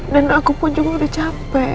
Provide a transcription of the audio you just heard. dan aku pun cuman udah capek